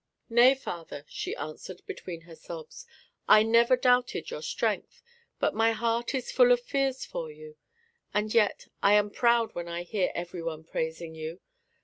"Nay, father," she answered, between her sobs, "I never doubted your strength, but my heart is full of fears for you; and yet I am proud when I hear every one praising you.